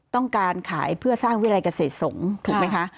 ต้องการขายเพื่อสร้างวิรัยเกษตรสงฆ์ถูกไหมคะ